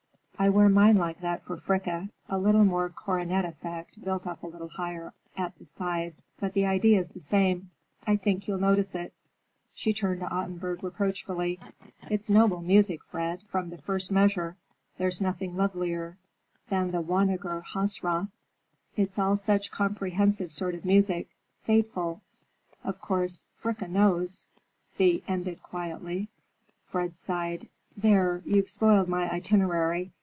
I wear mine like that for Fricka. A little more coronet effect, built up a little higher at the sides, but the idea's the same. I think you'll notice it." She turned to Ottenburg reproachfully: "It's noble music, Fred, from the first measure. There's nothing lovelier than the wonniger Hausrath. It's all such comprehensive sort of music—fateful. Of course, Fricka knows," Thea ended quietly. Fred sighed. "There, you've spoiled my itinerary.